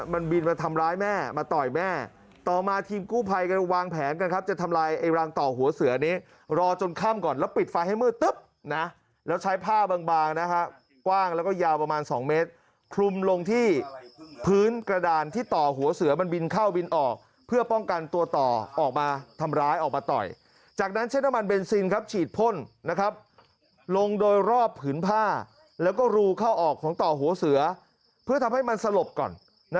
มันบินมาทำร้ายแม่มาต่อยแม่ต่อมาทีมกู้ภัยกันวางแผนกันครับจะทำลายไอ้รังต่อหัวเสือนี้รอจนข้ามก่อนแล้วปิดไฟล์ให้มือตึ๊บนะแล้วใช้ผ้าบางบางนะฮะกว้างแล้วก็ยาวประมาณสองเมตรคลุมลงที่พื้นกระดานที่ต่อหัวเสือมันบินเข้าบินออกเพื่อป้องกันตัวต่อออกมาทำร้ายออกมาต่อยจากนั้นเช่น